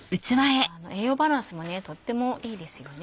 栄養バランスもとってもいいですよね。